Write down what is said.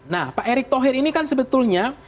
nah pak erick thohir ini kan sebetulnya